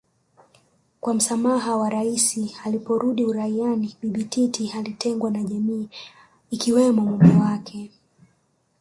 kwa msamaha wa Rais aliporudi uraiani Bibi Titi alitengwa na jamii ikiwemo mume wake